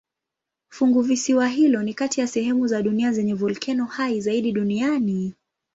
Funguvisiwa hilo ni kati ya sehemu za dunia zenye volkeno hai zaidi duniani.